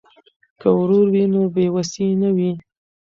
که ورور وي نو بې وسی نه وي.